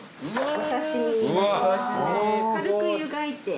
軽く湯がいて。